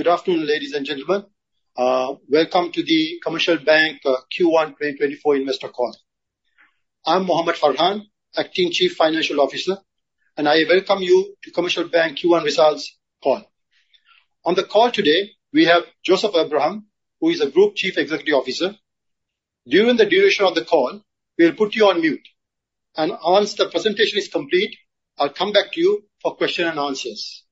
Good afternoon, ladies and gentlemen. Welcome to the Commercial Bank Q1 2024 investor call. I'm Mohamed Farhan, Acting Chief Financial Officer, and I welcome you to Commercial Bank Q1 results call. On the call today, we have Joseph Abraham, who is a Group Chief Executive Officer. During the duration of the call, we'll put you on mute, and once the presentation is complete, I'll come back to you for questions and answers.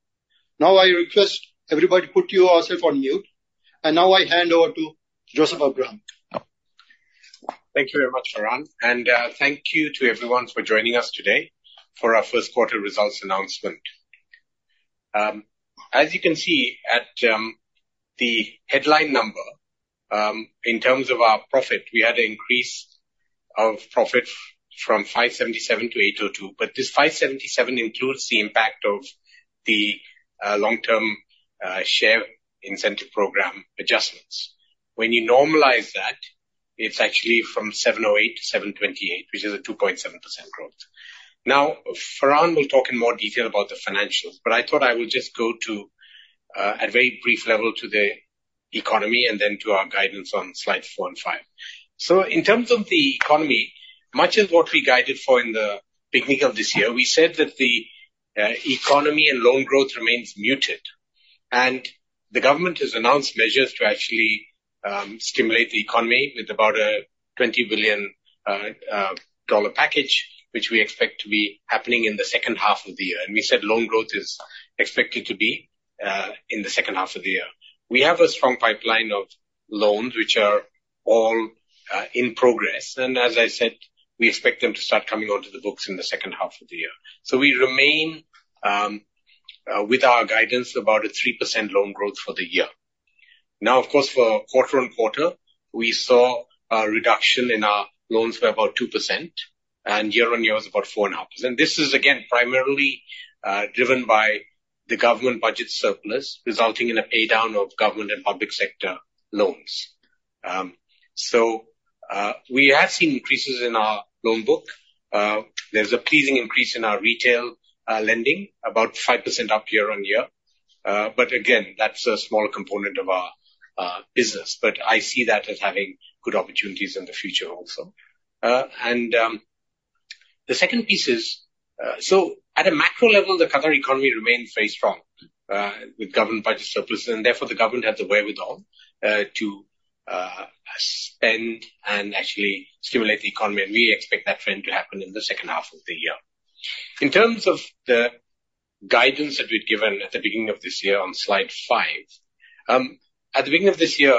Now I request everybody put yourself on mute, and now I hand over to Joseph Abraham. Thank you very much, Farhan. Thank you to everyone for joining us today for our first quarter results announcement. As you can see, the headline number, in terms of our profit, we had an increase of profit from 577 million to 802 million, but this 577 includes the impact of the long-term share incentive program adjustments. When you normalize that, it's actually from 708 million to 728 million, which is a 2.7% growth. Now, Farhan will talk in more detail about the financials, but I thought I will just go to a very brief level to the economy and then to our guidance on slides four and five. So in terms of the economy, much as what we guided for in the pipeline of this year, we said that the economy and loan growth remains muted, and the government has announced measures to actually stimulate the economy with about a $20 billion package, which we expect to be happening in the second half of the year. And we said loan growth is expected to be in the second half of the year. We have a strong pipeline of loans, which are all in progress, and as I said, we expect them to start coming onto the books in the second half of the year. So we remain with our guidance about a 3% loan growth for the year. Now, of course, for quarter-on-quarter, we saw a reduction in our loans by about 2%, and year-on-year was about 4.5%. This is again primarily driven by the government budget surplus, resulting in a paydown of government and public sector loans. We have seen increases in our loan book. There's a pleasing increase in our retail lending, about 5% up year-on-year. Again, that's a smaller component of our business, but I see that as having good opportunities in the future also. The second piece is at a macro level, the Qatar economy remains very strong, with government budget surpluses, and therefore the government had the wherewithal to spend and actually stimulate the economy, and we expect that trend to happen in the second half of the year. In terms of the guidance that we'd given at the beginning of this year on slide five, at the beginning of this year,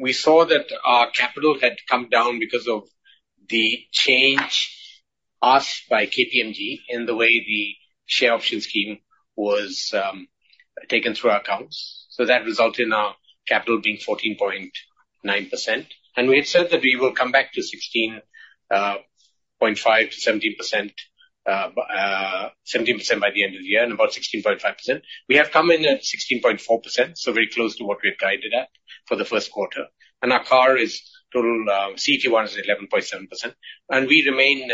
we saw that our capital had come down because of the change asked by KPMG in the way the share option scheme was taken through our accounts. So that resulted in our capital being 14.9%, and we had said that we will come back to 16.5%-17% by the end of the year, and about 16.5%. We have come in at 16.4%, so very close to what we had guided at for the first quarter. And our CAR is total, CET1 is at 11.7%, and we remain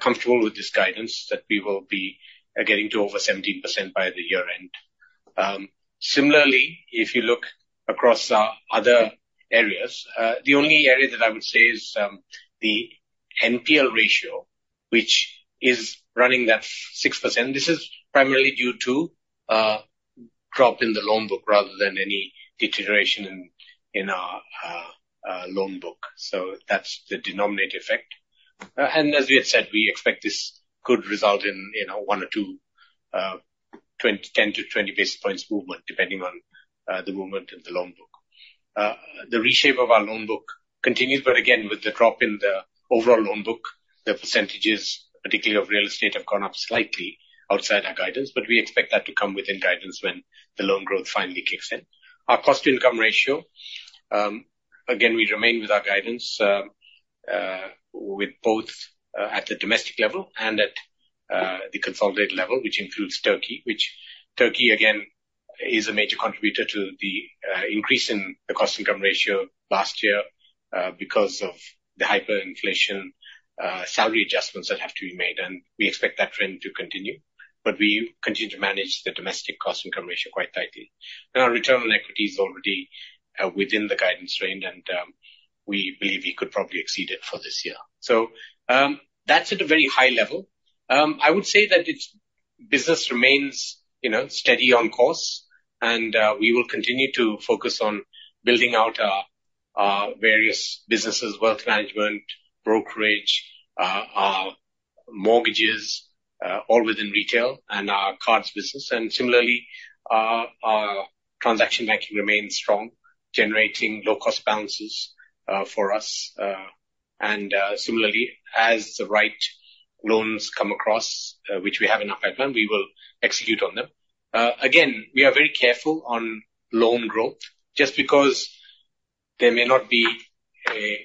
comfortable with this guidance that we will be getting to over 17% by the year-end. Similarly, if you look across our other areas, the only area that I would say is the NPL ratio, which is running at 6%. This is primarily due to a drop in the loan book rather than any deterioration in our loan book. So that's the denominator effect. And as we had said, we expect this could result in, you know, one or two, 10-20 basis points movement depending on the movement in the loan book. The reshape of our loan book continues, but again, with the drop in the overall loan book, the percentages, particularly of real estate, have gone up slightly outside our guidance, but we expect that to come within guidance when the loan growth finally kicks in. Our cost to income ratio, again, we remain with our guidance, with both, at the domestic level and at, the consolidated level, which includes Turkey, which Turkey, again, is a major contributor to the, increase in the cost to income ratio last year, because of the hyperinflation, salary adjustments that have to be made, and we expect that trend to continue, but we continue to manage the domestic cost to income ratio quite tightly. Our return on equity is already, within the guidance range, and, we believe we could probably exceed it for this year. That's at a very high level. I would say that its business remains, you know, steady on course, and, we will continue to focus on building out our, various businesses: wealth management, brokerage, mortgages, all within retail, and our cards business. And similarly, our transaction banking remains strong, generating low-cost balances for us, and similarly, as the right loans come across, which we have in our pipeline, we will execute on them. Again, we are very careful on loan growth. Just because there may not be a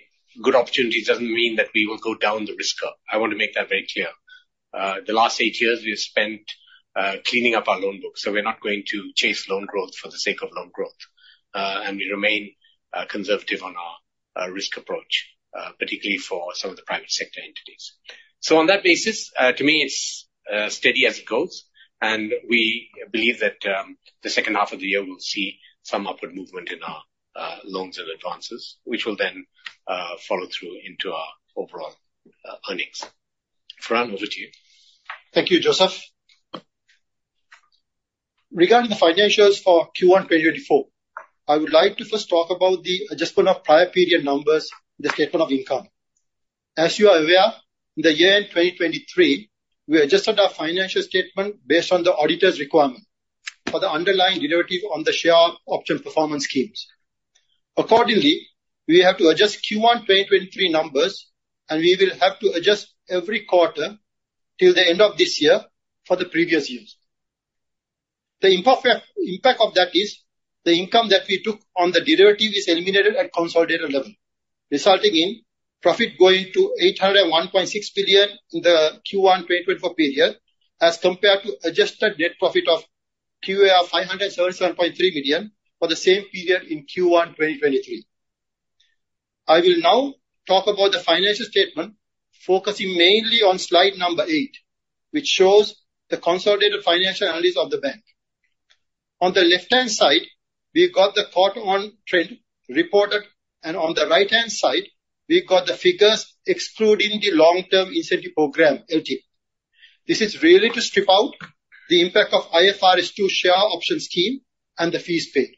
good opportunity doesn't mean that we will go down the risk curve. I want to make that very clear. The last eight years we have spent cleaning up our loan books, so we're not going to chase loan growth for the sake of loan growth, and we remain conservative on our risk approach, particularly for some of the private sector entities. So on that basis, to me, it's steady as it goes, and we believe that the second half of the year we'll see some upward movement in our loans and advances, which will then follow through into our overall earnings. Farhan, over to you. Thank you, Joseph. Regarding the financials for Q1 2024, I would like to first talk about the adjustment of prior period numbers in the statement of income. As you are aware, in the year-end 2023, we adjusted our financial statement based on the auditor's requirement for the underlying derivative on the share option performance schemes. Accordingly, we have to adjust Q1 2023 numbers, and we will have to adjust every quarter till the end of this year for the previous years. The impact of that is the income that we took on the derivative is eliminated at consolidated level, resulting in profit going to 801.6 million in the Q1 2024 period as compared to adjusted net profit of QAR 577.3 million for the same period in Q1 2023. I will now talk about the financial statement focusing mainly on slide number eight, which shows the consolidated financial analysis of the bank. On the left-hand side, we've got the quarter-on-quarter trend reported, and on the right-hand side, we've got the figures excluding the long-term incentive program, LT. This is really to strip out the impact of IFRS 2 share option scheme and the fees paid.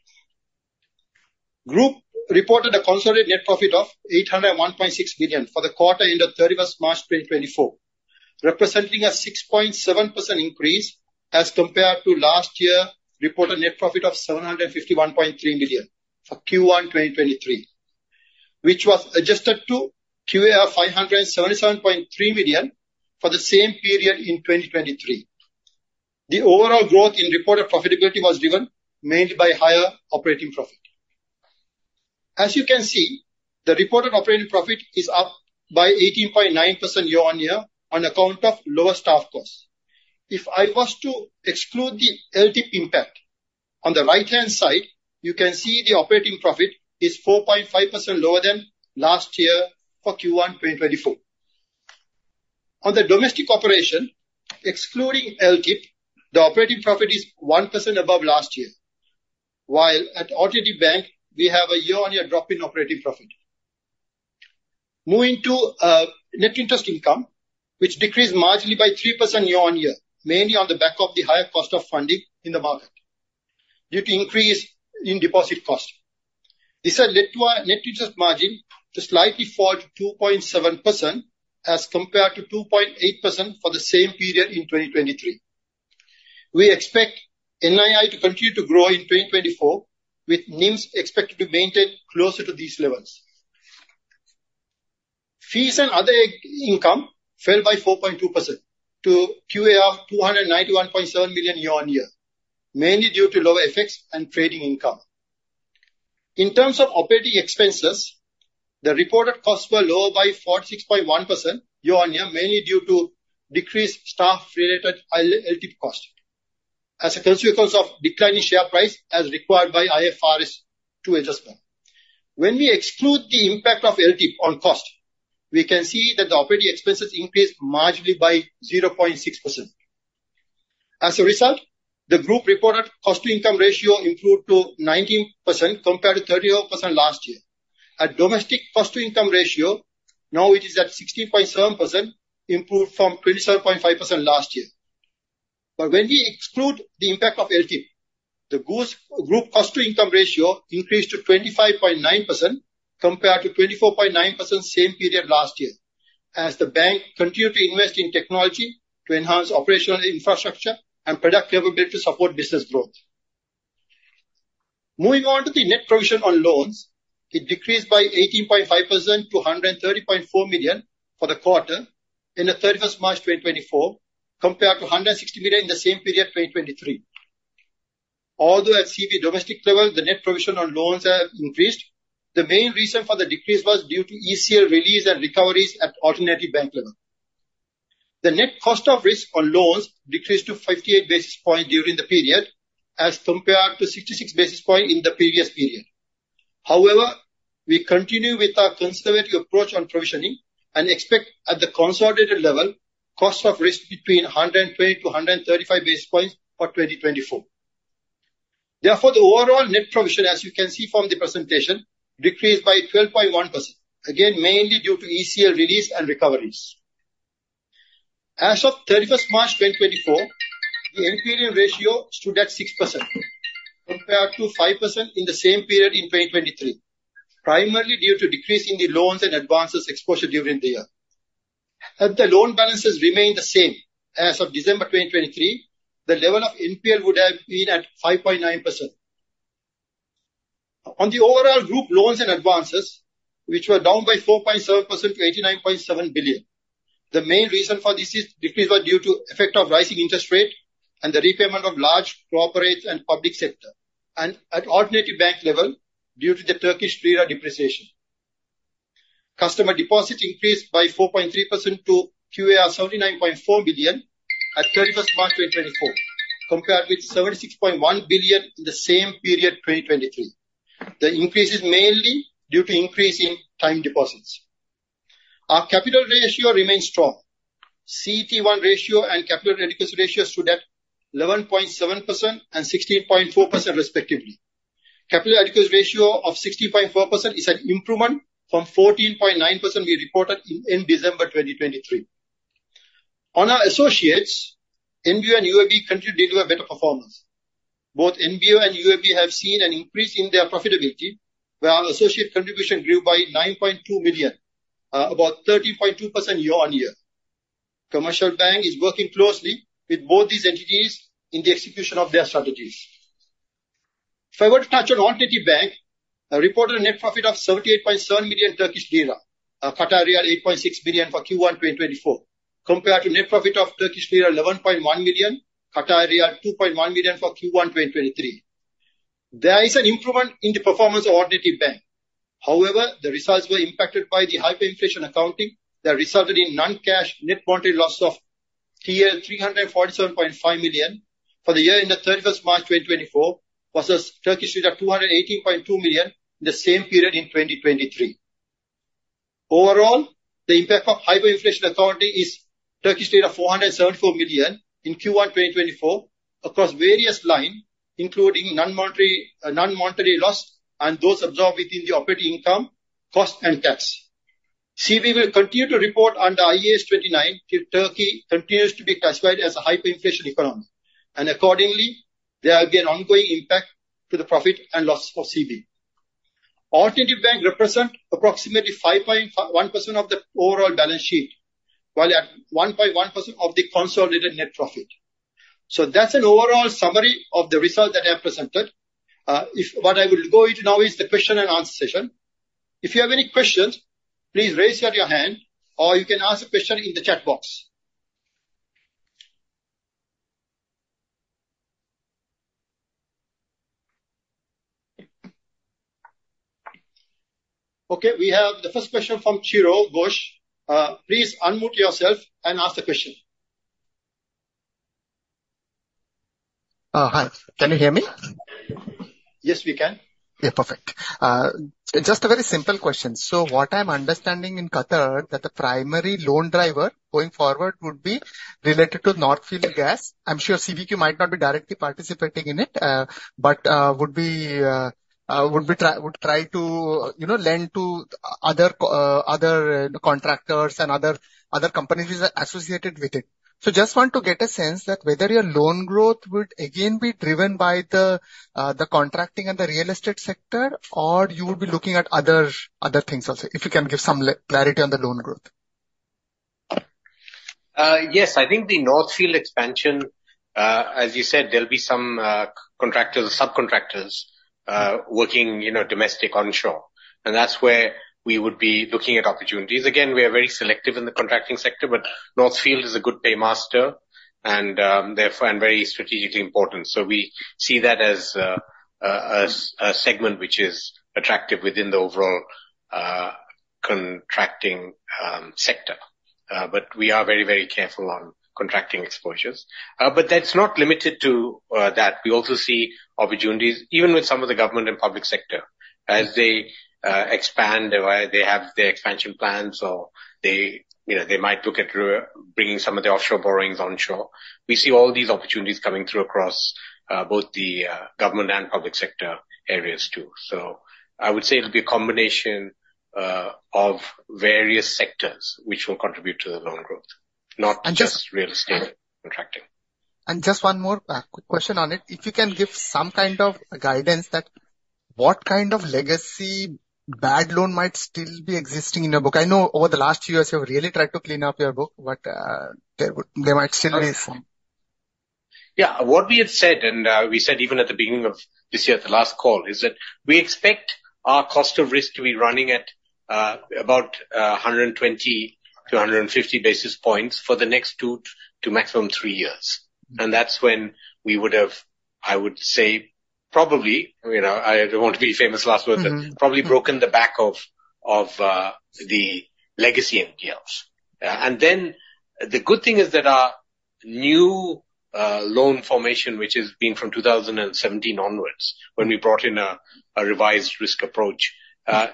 Group reported a consolidated net profit of 801.6 million for the quarter ended 31st March 2024, representing a 6.7% increase as compared to last year reported net profit of 751.3 million for Q1 2023, which was adjusted to 577.3 million for the same period in 2023. The overall growth in reported profitability was driven mainly by higher operating profit. As you can see, the reported operating profit is up by 18.9% year-on-year on account of lower staff costs. If I was to exclude the LT impact, on the right-hand side, you can see the operating profit is 4.5% lower than last year for Q1 2024. On the domestic operation, excluding LT, the operating profit is 1% above last year, while at Alternatif Bank, we have a year-on-year drop in operating profit. Moving to net interest income, which decreased marginally by 3% year-on-year, mainly on the back of the higher cost of funding in the market due to increase in deposit cost. This led to our net interest margin to slightly fall to 2.7% as compared to 2.8% for the same period in 2023. We expect NII to continue to grow in 2024, with NIMs expected to maintain closer to these levels. Fees and other income fell by 4.2% to QAR 291.7 million year-on-year, mainly due to lower FX and trading income. In terms of operating expenses, the reported costs were lower by 46.1% year-on-year, mainly due to decreased staff-related LT cost as a consequence of declining share price as required by IFRS 2 adjustment. When we exclude the impact of LT on cost, we can see that the operating expenses increased marginally by 0.6%. As a result, the group reported cost to income ratio improved to 19% compared to 30% last year. At domestic cost to income ratio, now it is at 16.7%, improved from 27.5% last year. But when we exclude the impact of LT, the group cost to income ratio increased to 25.9% compared to 24.9% same period last year as the bank continued to invest in technology to enhance operational infrastructure and product capability to support business growth. Moving on to the net provision on loans, it decreased by 18.5% to 130.4 million for the quarter ended 31st March 2024 compared to 160 million in the same period 2023. Although at Qatar domestic level, the net provision on loans have increased, the main reason for the decrease was due to ECL release and recoveries at Alternatif Bank level. The net cost of risk on loans decreased to 58 basis points during the period as compared to 66 basis points in the previous period. However, we continue with our conservative approach on provisioning and expect at the consolidated level, cost of risk between 120-135 basis points for 2024. Therefore, the overall net provision, as you can see from the presentation, decreased by 12.1%, again, mainly due to ECL release and recoveries. As of 31st March 2024, the NPL ratio stood at 6% compared to 5% in the same period in 2023, primarily due to decrease in the loans and advances exposure during the year. Had the loan balances remained the same as of December 2023, the level of NPL would have been at 5.9%. On the overall group loans and advances, which were down by 4.7% to 89.7 billion, the main reason for this decrease was due to the effect of rising interest rate and the repayment of large corporates and public sector, and at Alternatif Bank level, due to the Turkish lira depreciation. Customer deposit increased by 4.3% to QAR 79.4 billion at 31st March 2024 compared with 76.1 billion in the same period 2023. The increase is mainly due to increase in time deposits. Our capital ratio remains strong. CET1 ratio and capital adequacy ratio stood at 11.7% and 16.4% respectively. Capital adequacy ratio of 16.4% is an improvement from 14.9% we reported in end December 2023. On our associates, NBO and UAB continue to deliver better performance. Both NBO and UAB have seen an increase in their profitability, where our associate contribution grew by 9.2 million, about 30.2% year-on-year. Commercial Bank is working closely with both these entities in the execution of their strategies. If I were to touch on Alternatif Bank, it reported a net profit of 78.7 million Turkish lira, 8.6 million for Q1 2024 compared to net profit of Turkish lira 11.1 million, 2.1 million for Q1 2023. There is an improvement in the performance of Alternatif Bank. However, the results were impacted by the hyperinflation accounting that resulted in non-cash net monetary loss of 347.5 million for the year ended 31st March 2024 versus 218.2 million in the same period in 2023. Overall, the impact of hyperinflation accounting is 474 million in Q1 2024 across various lines, including non-monetary loss and those absorbed within the operating income, cost, and tax. Alternatif Bank will continue to report under IAS 29 till Turkey continues to be classified as a hyperinflation economy, and accordingly, there are again ongoing impacts to the profit and loss of Alternatif Bank. Alternatif Bank represents approximately 5.1% of the overall balance sheet while at 1.1% of the consolidated net profit. So that's an overall summary of the results that I have presented. Now, what I will go into now is the question and answer session. If you have any questions, please raise your hand, or you can ask a question in the chat box. Okay, we have the first question from Chiro Ghosh. Please unmute yourself and ask the question. Hi. Can you hear me? Yes, we can. Yeah, perfect. Just a very simple question. So what I'm understanding in Qatar that the primary loan driver going forward would be related to North Field Expansion. I'm sure CBQ might not be directly participating in it, but would try to, you know, lend to other contractors and other companies associated with it. So just want to get a sense that whether your loan growth would again be driven by the contracting and the real estate sector, or you would be looking at other things also, if you can give some clarity on the loan growth. Yes, I think the North Field Expansion, as you said, there'll be some contractors, subcontractors, working, you know, domestic onshore. And that's where we would be looking at opportunities. Again, we are very selective in the contracting sector, but North Field is a good paymaster and, therefore and very strategically important. So we see that as a segment which is attractive within the overall contracting sector. But we are very, very careful on contracting exposures. But that's not limited to that. We also see opportunities even with some of the government and public sector as they expand or they have their expansion plans or they, you know, they might look at bringing some of the offshore borrowings onshore. We see all these opportunities coming through across both the government and public sector areas too. I would say it'll be a combination of various sectors which will contribute to the loan growth, not just real estate contracting. Just one more quick question on it. If you can give some kind of guidance that what kind of legacy bad loan might still be existing in your book? I know over the last few years, you have really tried to clean up your book, but there might still be some. Yeah, what we had said, and we said even at the beginning of this year, at the last call, is that we expect our cost of risk to be running at about 120-150 basis points for the next two to maximum three years. And that's when we would have, I would say, probably, you know, I don't want to be famous last word, but probably broken the back of the legacy NPLs. And then the good thing is that our new loan formation, which has been from 2017 onwards when we brought in a revised risk approach,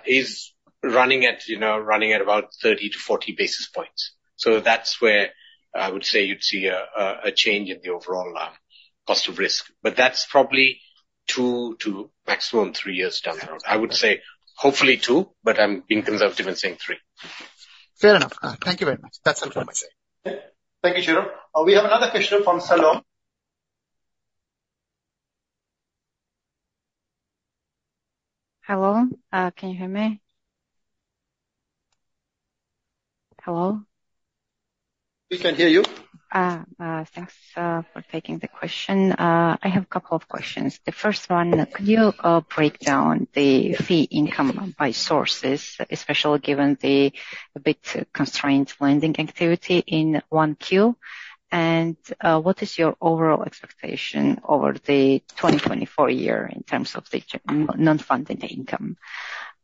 is running at, you know, running at about 30-40 basis points. So that's where I would say you'd see a change in the overall cost of risk. But that's probably two to maximum three years down the road. I would say hopefully two, but I'm being conservative in saying three. Fair enough. Thank you very much. That's all I want to say. Thank you, Chiro. We have another question from Salem. Hello. Can you hear me? Hello? We can hear you. Thanks for taking the question. I have a couple of questions. The first one, could you break down the fee income by sources, especially given the a bit constrained lending activity in 1Q? What is your overall expectation over the 2024 year in terms of the non-funding income?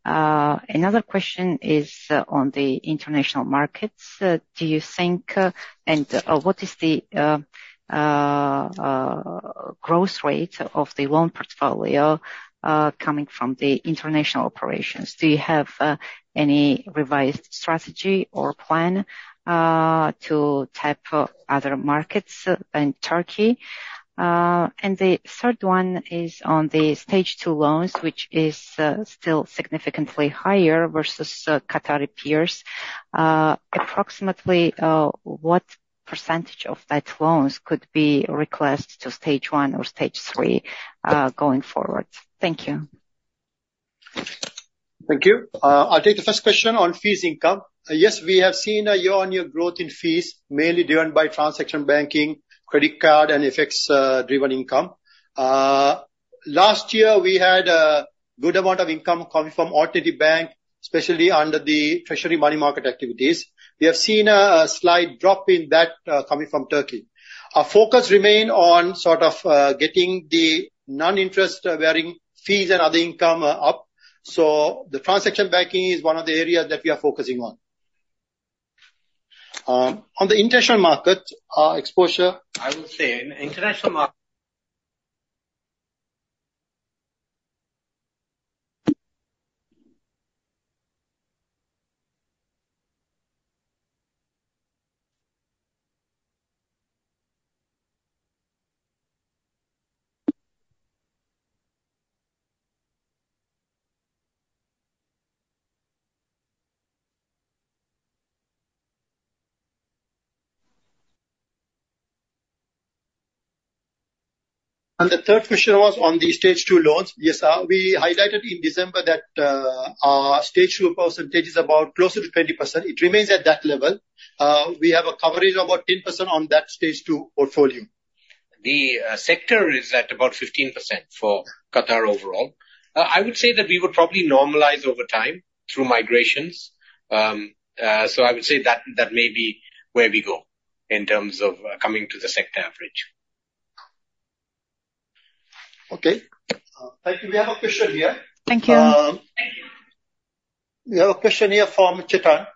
Another question is on the international markets. Do you think and what is the growth rate of the loan portfolio coming from the international operations? Do you have any revised strategy or plan to tap other markets than Turkey? The third one is on the Stage 2 loans, which is still significantly higher versus Qatari peers. Approximately, what percentage of that loans could be requested to Stage 1 or Stage 3, going forward? Thank you. Thank you. I'll take the first question on fees income. Yes, we have seen a year-on-year growth in fees, mainly driven by transaction banking, credit card, and FX-driven income. Last year, we had a good amount of income coming from Alternatif Bank, especially under the Treasury money market activities. We have seen a slight drop in that coming from Turkey. Our focus remained on sort of getting the non-interest-bearing fees and other income up. So the transaction banking is one of the areas that we are focusing on. On the international market, exposure. I will say in international market. The third question was on the Stage 2 loans. Yes, we highlighted in December that our Stage 2 percentage is about closer to 20%. It remains at that level. We have a coverage of about 10% on that Stage 2 portfolio. The sector is at about 15% for Qatar overall. I would say that we would probably normalize over time through migrations. So I would say that, that may be where we go in terms of coming to the sector average. Okay. Thank you. We have a question here. Thank you. We have a question here from Chetan.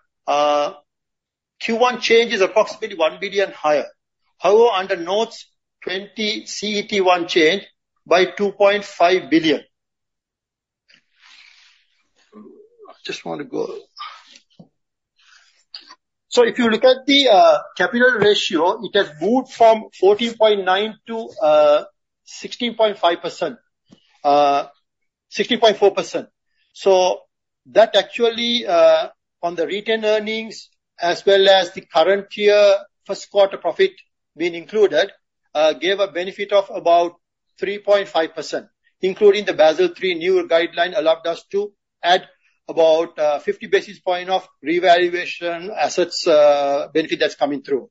Q1 change is approximately 1 billion higher. However, under notes, 20 CET1 change by 2.5 billion. I just want to go. So if you look at the capital ratio, it has moved from 14.9% to 16.5%, 16.4%. So that actually, on the retained earnings as well as the current year first quarter profit being included, gave a benefit of about 3.5%, including the Basel III new guideline allowed us to add about 50 basis points of revaluation assets, benefit that's coming through.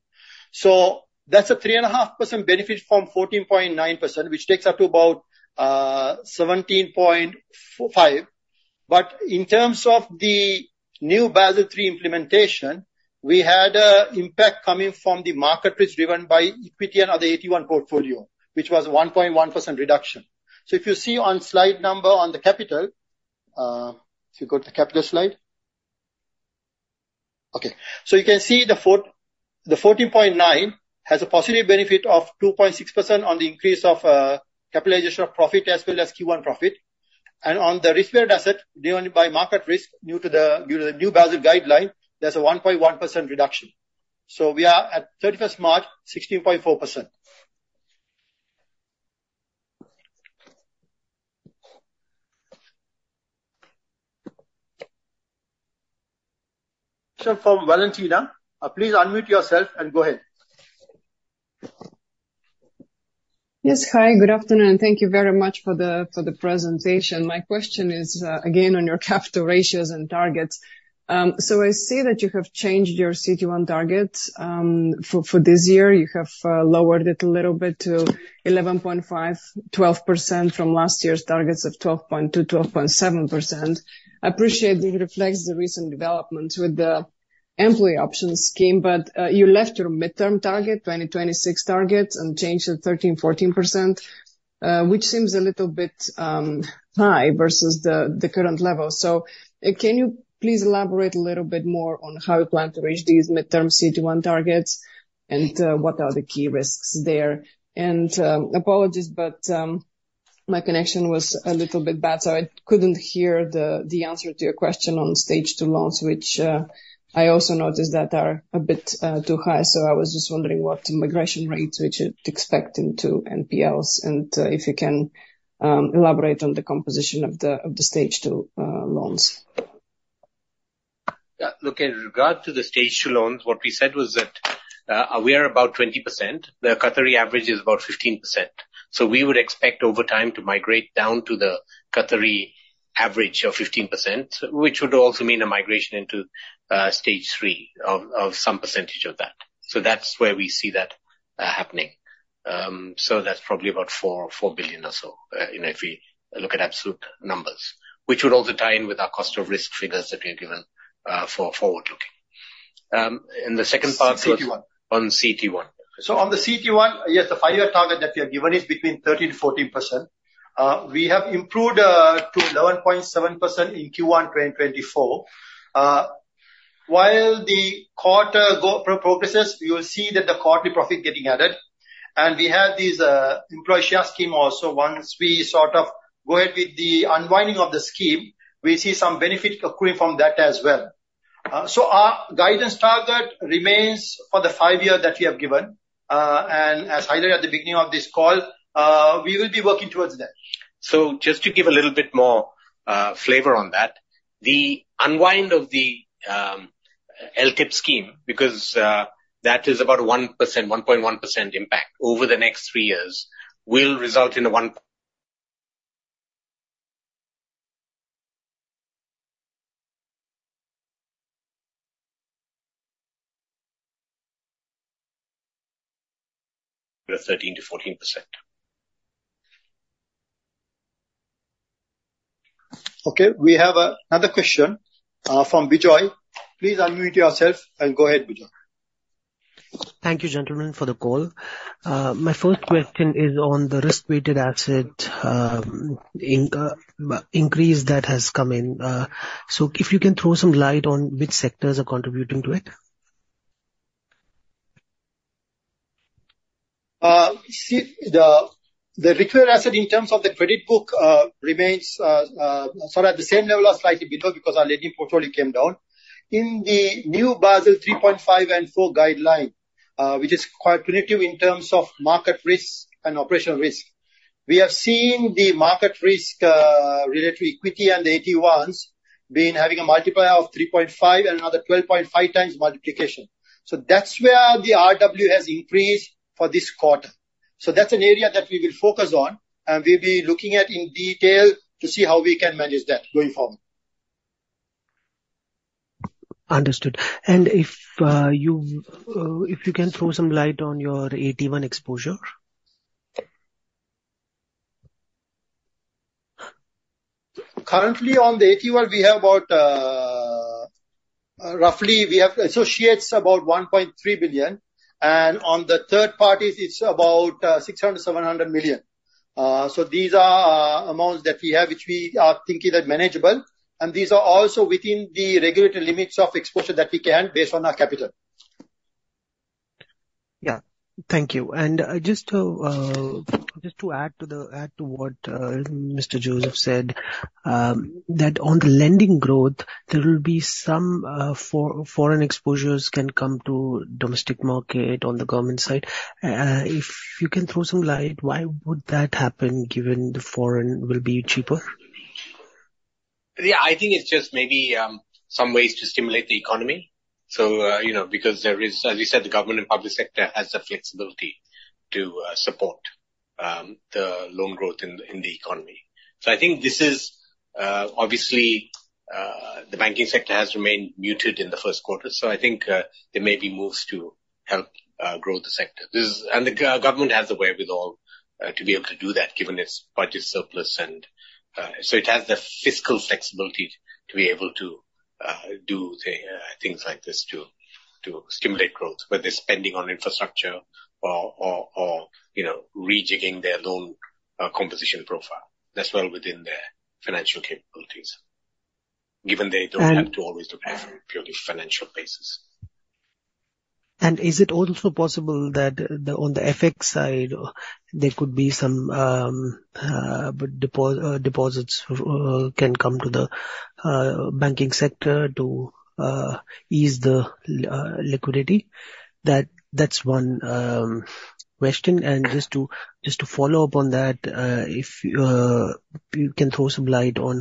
So that's a 3.5% benefit from 14.9%, which takes up to about 17.5%. But in terms of the new Basel III implementation, we had an impact coming from the market risk driven by equity and other AT1 portfolio, which was a 1.1% reduction. So if you see on slide number on the capital, if you go to the capital slide. Okay. So you can see the 14.9 has a positive benefit of 2.6% on the increase of capitalization of profit as well as Q1 profit. And on the risk-weighted asset driven by market risk due to the new Basel guideline, there's a 1.1% reduction. So we are at 31st March, 16.4%. Question from Valentina. Please unmute yourself and go ahead. Yes, hi. Good afternoon. Thank you very much for the presentation. My question is, again, on your capital ratios and targets. So I see that you have changed your CET1 targets, for this year. You have, lowered it a little bit to 11.5%-12% from last year's targets of 12.2%-12.7%. I appreciate this reflects the recent developments with the employee options scheme, but, you left your midterm target, 2026 target, and changed it 13%-14%, which seems a little bit, high versus the current level. So can you please elaborate a little bit more on how you plan to reach these midterm CET1 targets and, what are the key risks there? And, apologies, but, my connection was a little bit bad, so I couldn't hear the answer to your question on Stage 2 loans, which, I also noticed that are a bit, too high. I was just wondering what migration rates which you're expecting to NPLs and, if you can, elaborate on the composition of the Stage 2 loans? Yeah, look, in regard to the Stage 2 loans, what we said was that, we are about 20%. The Qatari average is about 15%. So we would expect over time to migrate down to the Qatari average of 15%, which would also mean a migration into, Stage 3 of some percentage of that. So that's where we see that, happening. So that's probably about 4 billion or so, you know, if we look at absolute numbers, which would also tie in with our cost of risk figures that we are given, for forward-looking. And the second part was. On CET1. On CET1. So on the CET1, yes, the five-year target that we are given is between 13%-14%. We have improved to 11.7% in Q1 2024. While the quarter progresses, you will see that the quarterly profit getting added. We have this employee share scheme also. Once we sort of go ahead with the unwinding of the scheme, we see some benefit occurring from that as well. So our guidance target remains for the five-year that we have given. And as highlighted at the beginning of this call, we will be working towards that. Just to give a little bit more flavor on that, the unwind of the LTIP scheme because that is about 1%-1.1% impact over the next three years will result in a 1.13%-14%. Okay. We have another question, from Bijoy. Please unmute yourself and go ahead, Bijoy. Thank you, gentlemen, for the call. My first question is on the risk-weighted assets increase that has come in. If you can throw some light on which sectors are contributing to it. See, the risk-weighted assets in terms of the credit book remain sort of at the same level or slightly below because our lending portfolio came down. In the new Basel 3.5 and IV guideline, which is quite punitive in terms of market risk and operational risk, we have seen the market risk related to equity and the FXs having a multiplier of 3.5 and another 12.5 times multiplication. So that's where the RW has increased for this quarter. So that's an area that we will focus on, and we'll be looking at in detail to see how we can manage that going forward. Understood. And if you can throw some light on your AT1 exposure. Currently, on the AT1, we have about, roughly we have associates about 1.3 billion. And on the third parties, it's about 600 million-700 million. So these are amounts that we have which we are thinking that manageable. And these are also within the regulatory limits of exposure that we can based on our capital. Yeah. Thank you. And just to add to what Mr. Joseph said, that on the lending growth, there will be some foreign exposures can come to domestic market on the government side. If you can throw some light, why would that happen given the foreign will be cheaper? Yeah, I think it's just maybe some ways to stimulate the economy. So, you know, because there is, as you said, the government and public sector has the flexibility to support the loan growth in the economy. So I think this is, obviously, the banking sector has remained muted in the first quarter. So I think there may be moves to help grow the sector. This is and the government has the way with all to be able to do that given its budget surplus. And so it has the fiscal flexibility to be able to do things like this to stimulate growth, whether it's spending on infrastructure or, or, or, you know, rejigging their loan composition profile as well within their financial capabilities given they don't have to always look at it from a purely financial basis. Is it also possible that on the FX side, there could be some deposits can come to the banking sector to ease the liquidity? That's one question. Just to follow up on that, if you can throw some light on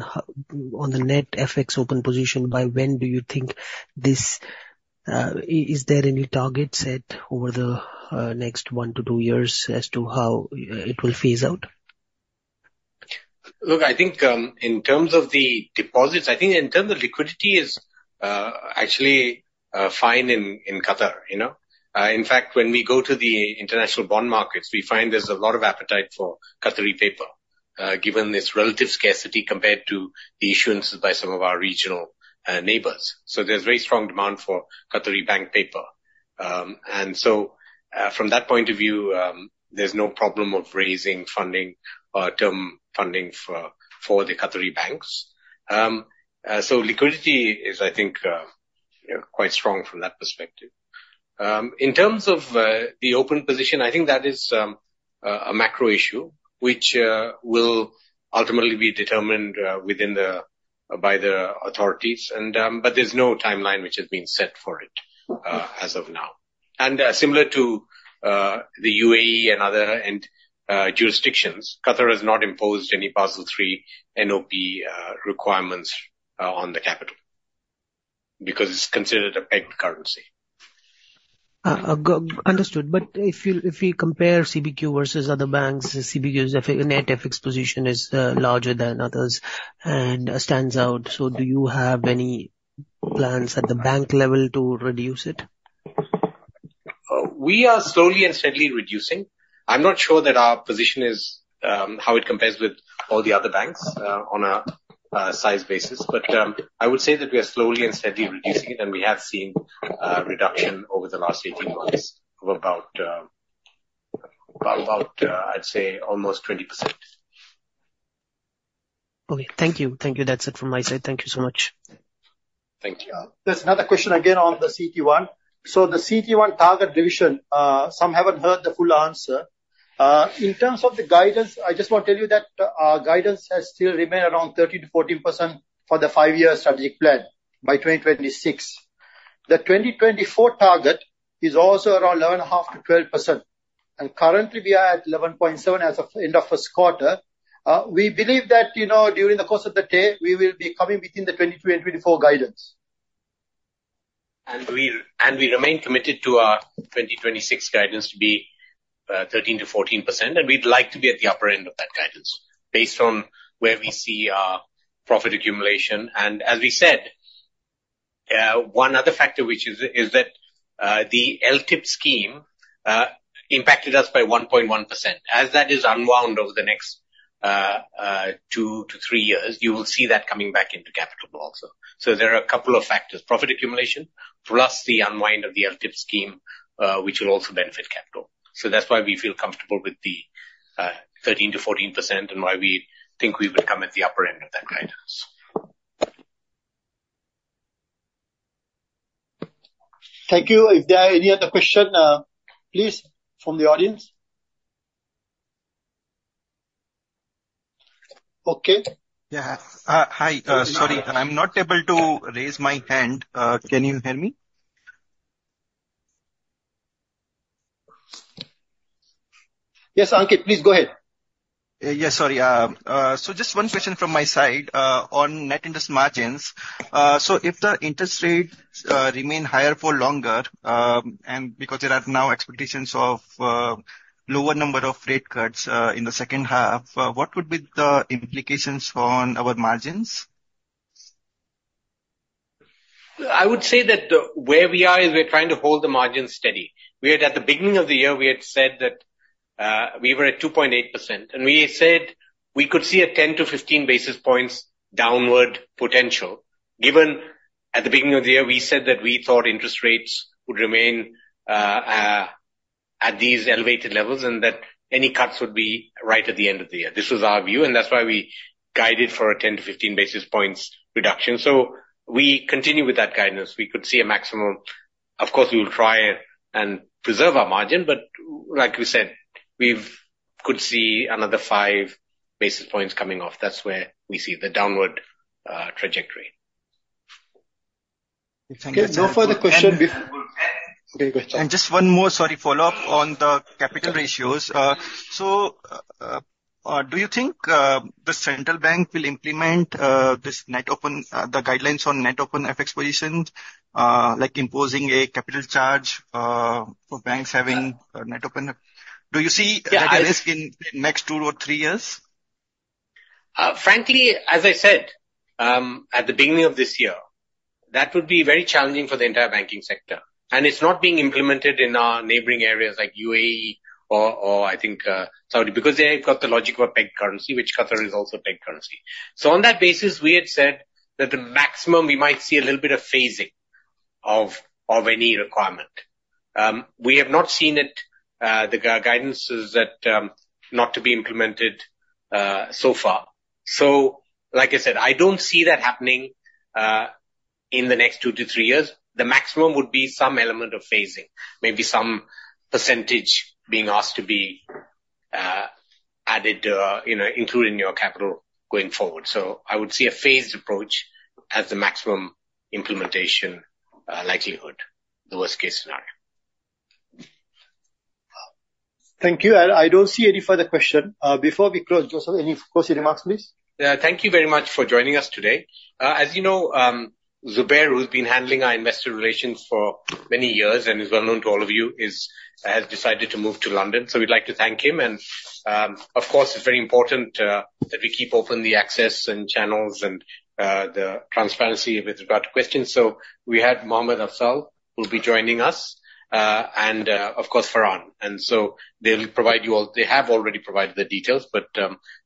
the net FX open position, by when do you think this is there any target set over the next one to two years as to how it will phase out? Look, I think in terms of the deposits, I think in terms of liquidity is actually fine in Qatar, you know? In fact, when we go to the international bond markets, we find there's a lot of appetite for Qatari paper, given its relative scarcity compared to the issuances by some of our regional neighbors. So there's very strong demand for Qatari bank paper. So, from that point of view, there's no problem of raising funding or term funding for the Qatari banks. Liquidity is, I think, quite strong from that perspective. In terms of the open position, I think that is a macro issue, which will ultimately be determined by the authorities. But there's no timeline which has been set for it, as of now. Similar to the UAE and other jurisdictions, Qatar has not imposed any Basel III NOP requirements on the capital because it's considered a pegged currency. Understood. But if you compare CBQ versus other banks, CBQ's net FX position is larger than others and stands out. So do you have any plans at the bank level to reduce it? We are slowly and steadily reducing. I'm not sure that our position is how it compares with all the other banks on a size basis. But I would say that we are slowly and steadily reducing it, and we have seen a reduction over the last 18 months of about, I'd say, almost 20%. Okay. Thank you. Thank you. That's it from my side. Thank you so much. Thank you. There's another question again on the CET1. So the CET1 target division, some haven't heard the full answer. In terms of the guidance, I just want to tell you that our guidance has still remained around 13%-14% for the five-year strategic plan by 2026. The 2024 target is also around 11.5%-12%. Currently, we are at 11.7% as of end of first quarter. We believe that, you know, during the course of the day, we will be coming within the 2023 and 2024 guidance. We remain committed to our 2026 guidance to be 13%-14%. We'd like to be at the upper end of that guidance based on where we see our profit accumulation. As we said, one other factor which is that the LTIP scheme impacted us by 1.1%. As that is unwound over the next two to three years, you will see that coming back into capital also. So there are a couple of factors, profit accumulation plus the unwind of the LTIP scheme, which will also benefit capital. That's why we feel comfortable with the 13%-14% and why we think we would come at the upper end of that guidance. Thank you. If there are any other questions, please, from the audience. Okay. Yeah. Hi. Sorry. I'm not able to raise my hand. Can you hear me? Yes, Ankit. Please go ahead. Yes, sorry. So just one question from my side on net interest margins. So if the interest rates remain higher for longer and because there are now expectations of lower number of rate cuts in the second half, what would be the implications on our margins? I would say that where we are is we're trying to hold the margins steady. At the beginning of the year, we had said that we were at 2.8%. We said we could see a 10-15 basis points downward potential given at the beginning of the year, we said that we thought interest rates would remain at these elevated levels and that any cuts would be right at the end of the year. This was our view. That's why we guided for a 10-15 basis points reduction. We continue with that guidance. We could see a maximum, of course, we will try and preserve our margin. Like we said, we could see another 5 basis points coming off. That's where we see the downward trajectory. Okay. No further questions. Just one more, sorry, follow-up on the capital ratios. Do you think the central bank will implement this net open position guidelines on net open FX positions, like imposing a capital charge for banks having net open? Do you see a risk in the next two or three years? Frankly, as I said, at the beginning of this year, that would be very challenging for the entire banking sector. And it's not being implemented in our neighboring areas like UAE or, I think, Saudi because they've got the logic of a pegged currency, which Qatar is also a pegged currency. So on that basis, we had said that the maximum, we might see a little bit of phasing of any requirement. We have not seen it, the guidance is that not to be implemented so far. So like I said, I don't see that happening in the next two to three years. The maximum would be some element of phasing, maybe some percentage being asked to be added, you know, included in your capital going forward. So I would see a phased approach as the maximum implementation likelihood, the worst-case scenario. Thank you. I don't see any further question. Before we close, Joseph, any closing remarks, please? Yeah. Thank you very much for joining us today. As you know, Zubair, who's been handling our investor relations for many years and is well known to all of you, has decided to move to London. So we'd like to thank him. And of course, it's very important that we keep open the access and channels and the transparency with regard to questions. So we had Muhammad Afzal who will be joining us and, of course, Farhan. And so they'll provide you all they have already provided the details. But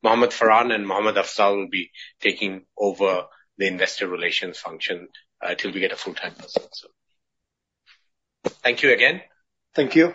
Mohamed Farhan and Muhammad Afzal will be taking over the investor relations function till we get a full-time person, so. Thank you again. Thank you.